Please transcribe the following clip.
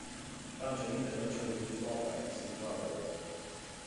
Fountain then returned to his law practice in Tarboro.